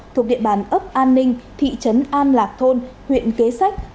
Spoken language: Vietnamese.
thuộc địa bàn ấp an ninh thị trấn an lạc thôn huyện kế sách